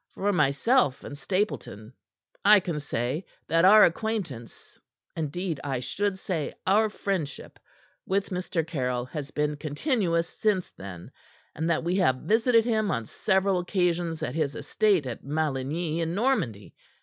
For myself and Stapleton, I can say that our acquaintance indeed, I should say our friendship with Mr. Caryll has been continuous since then, and that we have visited him on several occasions at his estate of Maligny in Normandy.